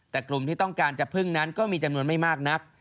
แต่กลุ่มที่ต้องการจะพึ่งนั้นก็มีจำนวนไม่มากนัก